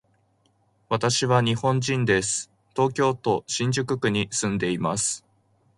私は日本人です。東京都新宿区に住んでいます。